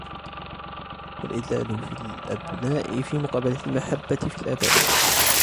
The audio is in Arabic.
وَالْإِدْلَالُ فِي الْأَبْنَاءِ فِي مُقَابَلَةِ الْمَحَبَّةِ فِي الْآبَاءِ